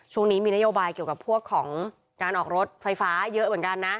ช่วงนี้มีนโยบายเกี่ยวกับพวกของการออกรถไฟฟ้าเยอะเหมือนกันนะ